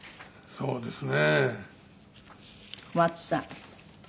そうですね。